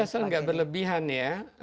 asal enggak berlebihan ya